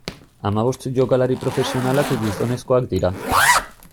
Hamabost jokalari profesionalak gizonezkoak dira.